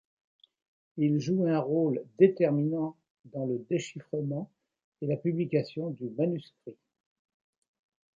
Il joue un rôle déterminant dans le déchiffrement et la publication du manuscrit.